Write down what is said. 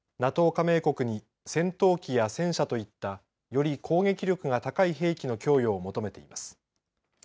加盟国に戦闘機や戦車といったより攻撃力が高い兵器の供与を求めています。